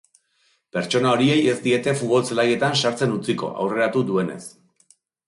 Pertsona horiei ez diete futbol-zelaietan sartzen utziko, aurreratu duenez.